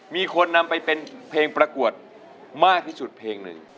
มีคนนำไปเป็นเพลงประกวดมากที่สุดเพลงหนึ่ง